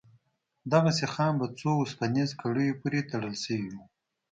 دغه سيخان په څو وسپنيزو کړيو پورې تړل سوي وو.